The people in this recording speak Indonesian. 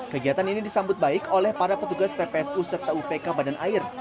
kegiatan ini disambut baik oleh para petugas ppsu serta upk badan air